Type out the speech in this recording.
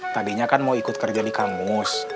tadinya kan mau ikut kerja di kamus